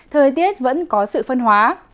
thời tiết vẫn có sự phân hóa